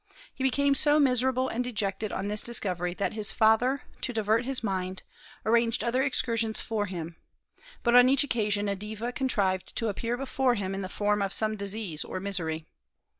He became so miserable and dejected on this discovery that his father, to divert his mind, arranged other excursions for him; but on each occasion a deva contrived to appear before him in the form of some disease or misery.